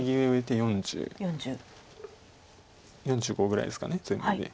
４５ぐらいですか全部で。